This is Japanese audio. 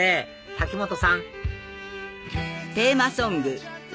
瀧本さん